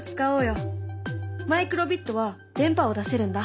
マイクロビットは電波を出せるんだ。